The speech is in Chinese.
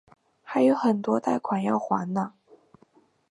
还有很多贷款要还哪